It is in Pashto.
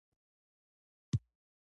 هدف دا دی چې د مغز مینځلو مخه ونیول شي.